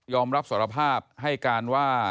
อมรับสารภาพให้การว่า